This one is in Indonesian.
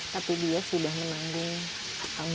tapi dia sudah menanggung